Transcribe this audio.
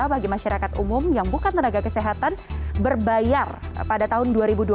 bagi masyarakat umum yang bukan tenaga kesehatan berbayar pada tahun dua ribu dua puluh